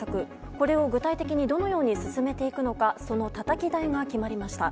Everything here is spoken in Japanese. これを具体的にどのように進めていくのかそのたたき台が決まりました。